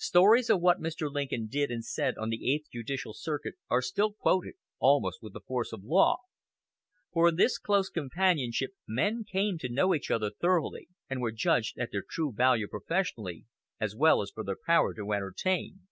Stories of what Mr. Lincoln did and said on the eighth judicial circuit are still quoted almost with the force of law; for in this close companionship men came to know each other thoroughly, and were judged at their true value professionally, as well as for their power to entertain.